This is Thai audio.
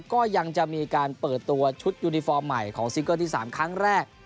ก็ยังจะมีการเปิดตัวชุดยูนิฟอร์มใหม่ของซิงเกิลที่๓ครั้งแรก